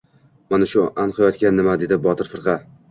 — Mana shu anqiyotgan nima? — dedi Botir firqa.